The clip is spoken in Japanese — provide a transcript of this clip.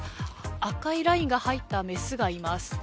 赤いラインが入った雌がいます。